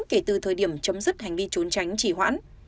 kể từ thời điểm chấm dứt hành vi trốn tránh chỉ hoãn